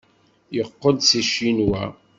Yeqqel-d seg Ccinwa.